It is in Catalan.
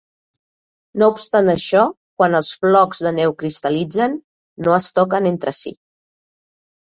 No obstant això, quan els flocs de neu cristal·litzen, no es toquen entre si.